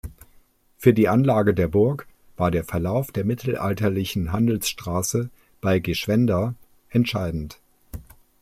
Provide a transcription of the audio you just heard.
Für die Anlage der Burg war der Verlauf der mittelalterlichen Handelsstraße bei Geschwenda entscheidend.